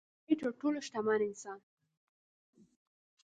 د نړۍ تر ټولو شتمن انسان